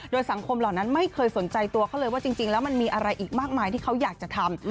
โดยสังคมเหล่านั้นไม่เคยสนใจตัวเขาเลยว่าจริงแล้วมันมีอะไรอีกมากมายที่เขาอยากจะทำ